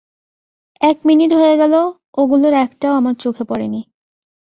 এক মিনিট হয়ে গেল ওগুলোর একটাও আমার চোখে পড়েনি।